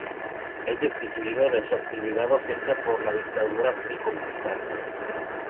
Es destituido de su actividad docente por la dictadura cívico-militar.